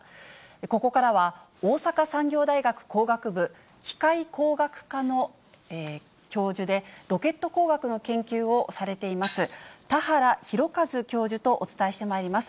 ここからは、大阪産業大学工学部、機械工学科の教授で、ロケット工学の研究をされています、田原弘一教授とお伝えしてまいります。